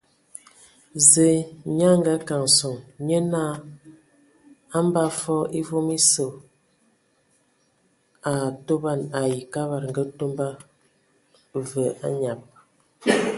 Zǝǝ nyaa a kana sɔŋ, nye naa a mbaa fɔɔ e vom osǝ a atoban ai Kabad ngǝ Ntomba, və anyab.